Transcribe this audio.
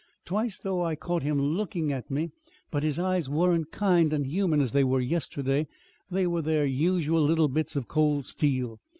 Twice, though, I caught him looking at me. But his eyes weren't kind and and human, as they were yesterday. They were their usual little bits of cold steel.